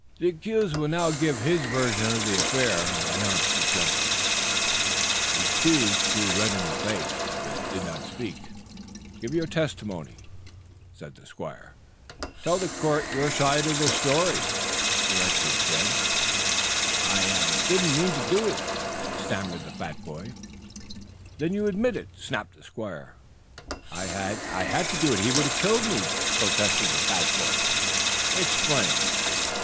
"The accused will now give his version of the affair," announced the justice. The accused grew red in the face, but did not speak. "Give your testimony." "Tell the court your side of the story," directed Jed. "I I didn't mean to do it," stammered the fat boy. "Then you admit it?" snapped the squire. "I I had to do it, or he would have killed me," protested the fat boy. "Explain."